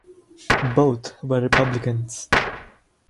Both were Republicans.